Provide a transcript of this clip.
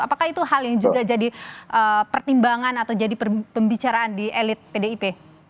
apakah itu hal yang juga jadi pertimbangan atau jadi pembicaraan di elit pdip